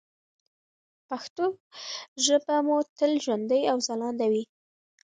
پښتو ژبه مو تل ژوندۍ او ځلانده وي.